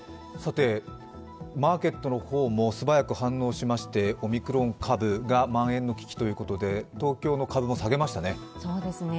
マーケットの方も素早く反応しましてオミクロン株がまん延の危機ということで東京の株も下げましたね。